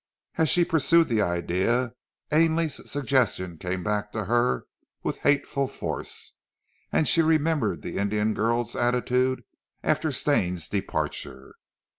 As she pursued the idea Ainley's suggestions came back to her with hateful force, and she remembered the Indian girl's attitude after Stane's departure.